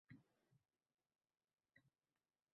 Haykallar tirilib odamlar bilan